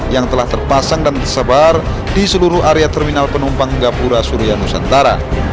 yang telah terpasang dan tersebar di seluruh area terminal penumpang gapura surya nusantara